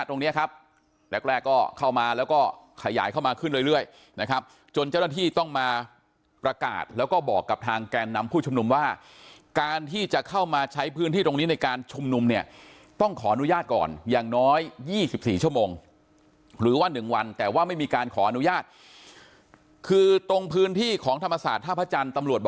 ตรงนี้ครับแรกแรกก็เข้ามาแล้วก็ขยายเข้ามาขึ้นเรื่อยนะครับจนเจ้าหน้าที่ต้องมาประกาศแล้วก็บอกกับทางแกนนำผู้ชุมนุมว่าการที่จะเข้ามาใช้พื้นที่ตรงนี้ในการชุมนุมเนี่ยต้องขออนุญาตก่อนอย่างน้อย๒๔ชั่วโมงหรือว่า๑วันแต่ว่าไม่มีการขออนุญาตคือตรงพื้นที่ของธรรมศาสตร์ท่าพระจันทร์ตำรวจบ